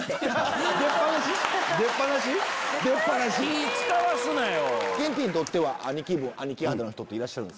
気ぃ使わすなよ。